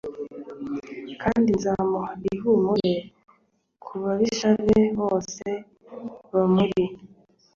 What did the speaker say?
kandi nzamuha ihumure ku babisha be bose bamuri